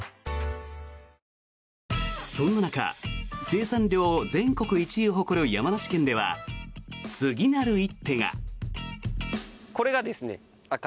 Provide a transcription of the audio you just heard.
そんな中、生産量全国１位を誇る山梨県では次なる一手が。